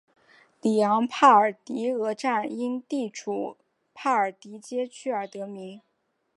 里昂帕尔迪厄站因地处帕尔迪厄街区而得名。